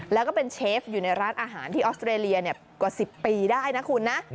แล้วก็เป็นเชฟอยู่ในร้านอาหารที่ออสเตรเลียกว่า๑๐ปีได้นะคุณนะ